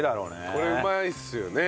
これうまいですよね。